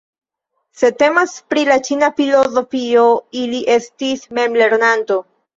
Se temas pri la ĉina filozofio li estis memlernanto.